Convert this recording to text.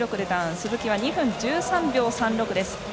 鈴木は２分１３秒３６です。